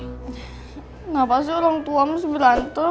kenapa sih orang tua musti berantem